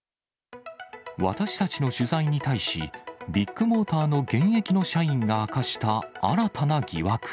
私たちの取材に対し、ビッグモーターの現役の社員が明かした新たな疑惑。